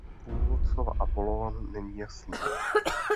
Původ slova Apollón není jasný.